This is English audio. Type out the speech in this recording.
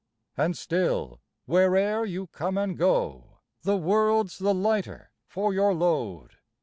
And still where'er you come and go The world's the lighter for your load.